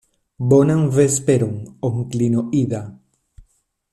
Bonan vesperon, onklino Ida.